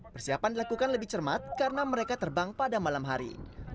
persiapan dilakukan lebih cermat karena mereka terbang pada malam hari